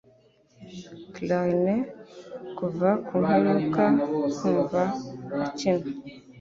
Clarinet kuva mperuka kumva akina